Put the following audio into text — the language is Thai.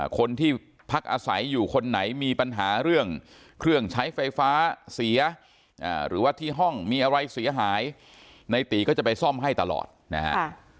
คนที่พักอาศัยอยู่คนไหนมีปัญหาเรื่องเครื่องใช้ไฟฟ้าเสียหรือว่าที่ห้องมีอะไรเสียหายในตีก็จะไปซ่อมให้ตลอดนะฮะ